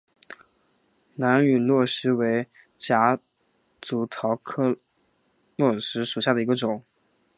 兰屿络石为夹竹桃科络石属下的一个种。